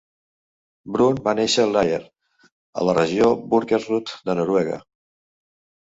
Brun va néixer a Lier, a la regió Buskerud de Noruega.